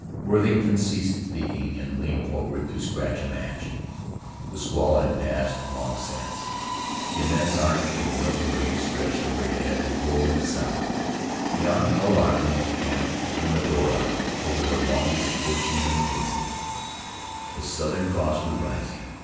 Worthington ceased speaking and leaned forward to scratch a match. The squall had passed long since; the immense arch of the Milky Way stretched overhead, and low in the south — beyond Hull Island and Rima tara, over the loneliest ocean in the world — the Southern Cross was rising.